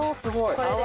これで。